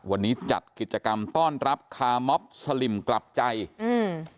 วันนี้จัดกิจกรรมต้อนรับคามอบสลิมกลับใจอืม